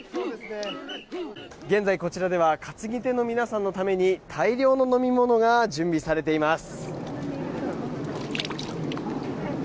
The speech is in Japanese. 現在、こちらでは担ぎ手の皆さんのために大量の飲み物が準備されています。